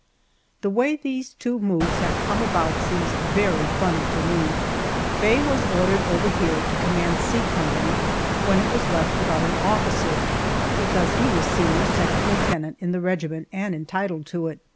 The way these two moves have come about seems very funny to me. Faye was ordered over here to command C Company when it was left without an officer, because he was senior second lieutenant in the regiment and entitled to it.